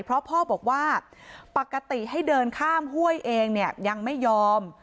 เพราะพ่อบอกว่าปกติให้เดินข้ามห้วยเองเนี่ยยังไม่ยอม